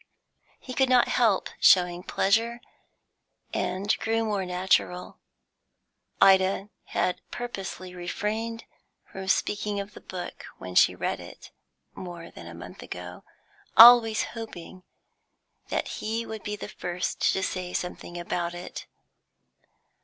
He could not help showing pleasure, and grew more natural. Ida had purposely refrained from speaking of the book when she read it, more than a month ago, always hoping that he would be the first to say something about it.